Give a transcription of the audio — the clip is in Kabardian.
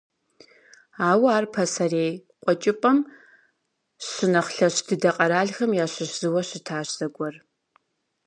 Ауэ ар пасэрей Къуэкӏыпӏэм щынэхъ лъэщ дыдэ къэралхэм ящыщ зыуэ щытащ зэгуэр.